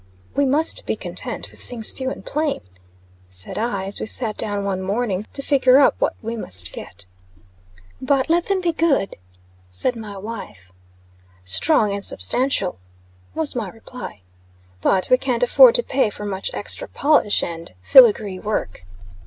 "We must be content with things few and plain," said I, as we sat down one morning to figure up what we must get. "But let them be good," said my wife. "Strong and substantial," was my reply. "But we can't afford to pay for much extra polish and filigree work."